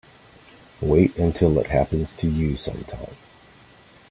Wait until it happens to you sometime.